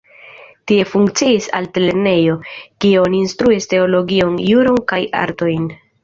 Tie funkciis altlernejo, kie oni instruis teologion, juron kaj artojn.